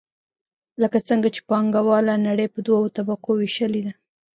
لکه څنګه چې پانګواله نړۍ په دوو طبقو ویشلې ده.